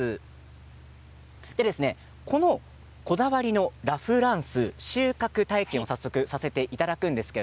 この、こだわりのラ・フランス収穫体験を早速させていただくんですが